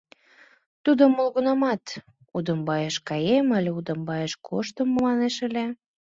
Тудо молгунамат «Удымбайыш каем» але «Удымбайыш коштым» манеш ыле.